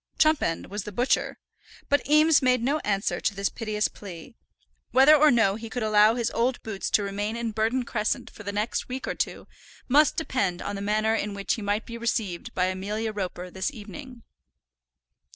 Chumpend was the butcher. But Eames made no answer to this piteous plea. Whether or no he could allow his old boots to remain in Burton Crescent for the next week or two, must depend on the manner in which he might be received by Amelia Roper this evening.